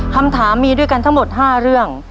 คำถามมีด้วยกันทั้งหมด๕เรื่อง